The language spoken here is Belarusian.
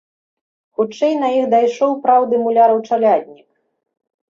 Хутчэй на іх дайшоў праўды муляраў чаляднік.